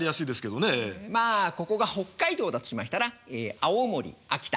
まあここが北海道だとしましたら青森秋田。